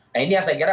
nah ini yang saya kira